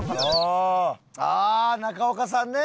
ああー中岡さんね。